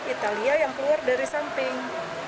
italia yang keluar dari samping